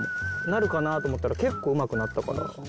なるかなと思ったら、結構うまくなったから。